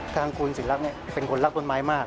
ทางคุณสินรักเป็นคนรักต้นไม้มาก